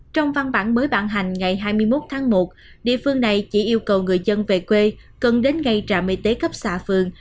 trong văn bản mới bản hành ngày hai mươi một tháng một địa phương này chỉ yêu cầu người dân về quê cần đến ngay trạm y tế cấp xã phường